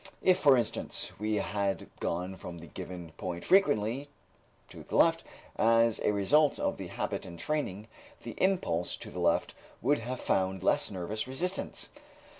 If, for instance, we had gone from the given point frequently to the left, as a result of the habit and training, the impulse to the left would have found less nervous resistance.